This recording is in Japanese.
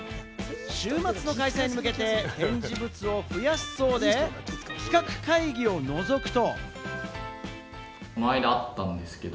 週末の開催に向けて展示物を増やすそうで、企画会議をのぞくと。